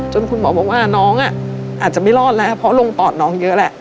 คุณหมอบอกว่าน้องอาจจะไม่รอดแล้วเพราะลงปอดน้องเยอะแหละ